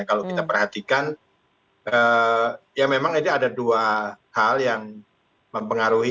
kalau kita perhatikan ya memang ini ada dua hal yang mempengaruhi